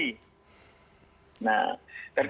nah jadi kalau diundang undang ini